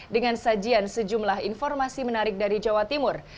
dengan sajian sejumlah informasi menarik dari jawa timur